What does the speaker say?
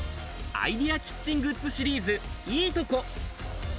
アイデアキッチングッズシリーズ、イイトコ。